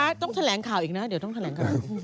ถ้าต้องแถลงข่าวอีกนะเดี๋ยวต้องแถลงข่าว